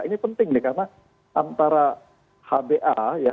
ini penting nih karena antara hba ya